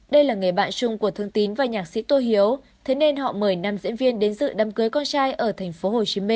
đây là nghề bạn chung của thương tín và nhạc sĩ tô hiếu thế nên họ mời nam diễn viên đến dự đám cưới con trai ở tp hcm